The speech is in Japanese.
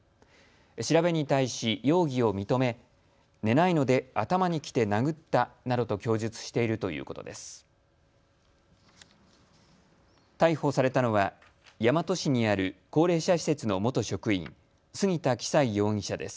調べに対し容疑を認め寝ないので頭にきて殴ったなどと供述しているということです。